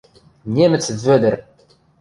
Немӹц Вӧдӹр!